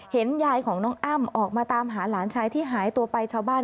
เห็นยายของน้องอ้ำออกมาตามหาหลานชายที่หายตัวไปชาวบ้าน